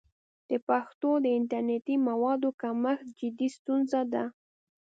د پښتو د انټرنیټي موادو کمښت جدي ستونزه ده.